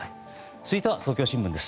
続いては東京新聞です。